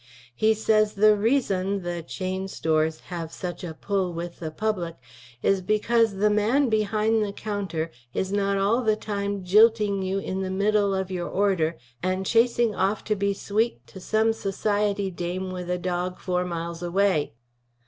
He says the reazon the Chane Stores have such a pull with the public is becuase the man behine the counter is not all the time jilting you in the middle of your order & chacing off to be sweet to some sosciety dame with a dog 4 miles away.